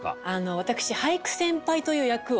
私俳句先輩という役を。